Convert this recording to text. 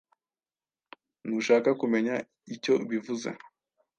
Ntushaka kumenya icyo bivuze?